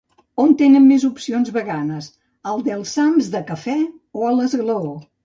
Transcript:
On tenen més opcions veganes al Delsams de cafè o a l'Esglaó?